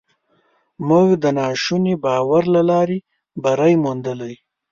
موږ د ناشوني باور له لارې بری موندلی.